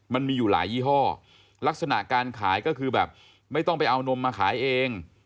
มันมีอยู่หลายยี่ห้อลักษณะการขายก็คือแบบไม่ต้องไปเอานมมาขายเอง